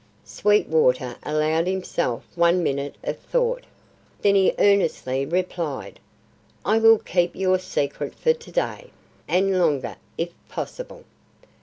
Sweetwater allowed himself one minute of thought, then he earnestly replied: "I will keep your secret for to day, and longer, if possible."